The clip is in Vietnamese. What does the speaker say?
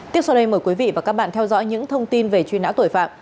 tiếp sau đây mời quý vị và các bạn theo dõi những thông tin về truy nã tội phạm